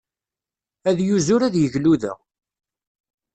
Ad yuzur ad yegluda.